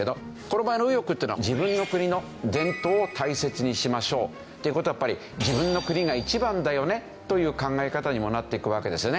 この場合の右翼っていうのは自分の国の伝統を大切にしましょう。っていう事はやっぱり自分の国が一番だよねという考え方にもなっていくわけですね。